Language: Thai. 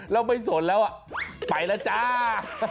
แล้วไม่สนแล้วไปแล้วจ้า